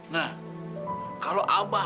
nah kalau abah